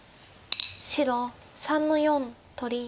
白３の四取り。